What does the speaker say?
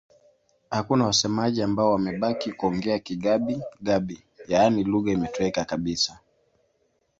Hakuna wasemaji ambao wamebaki kuongea Kigabi-Gabi, yaani lugha imetoweka kabisa.